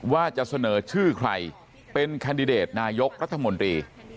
ว่าจะเสนอชื่อใครเป็นแคนดิเดตนายกรัฐมนตรี